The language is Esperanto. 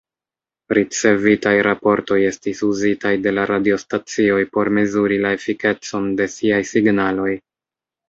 Ricevitaj raportoj estis uzitaj de la radiostacioj por mezuri la efikecon de siaj signaloj.